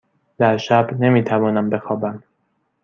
در شب نمی توانم بخوابم.